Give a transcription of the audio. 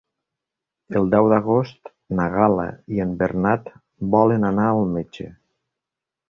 El deu d'agost na Gal·la i en Bernat volen anar al metge.